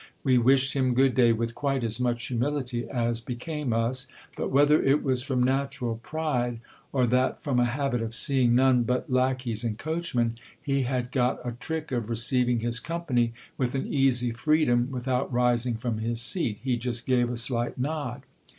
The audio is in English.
We wished him good day, with quite as much humility as became us : but, whether it was from natural pride, or that, from a habit of seeing none but lacqueys and coachmen, he had got a trick of receiving his company with an easy freedom, without rising from his seat, he just gave a slight nod.